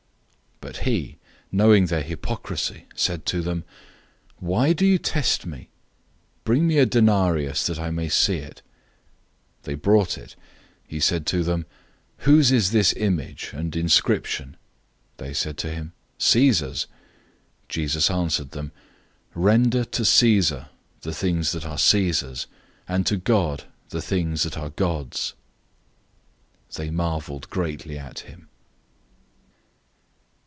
But he, knowing their hypocrisy, said to them, "Why do you test me? Bring me a denarius, that I may see it." 012:016 They brought it. He said to them, "Whose is this image and inscription?" They said to him, "Caesar's." 012:017 Jesus answered them, "Render to Caesar the things that are Caesar's, and to God the things that are God's." They marveled greatly at him.